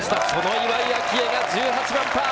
岩井明愛が１８番パー。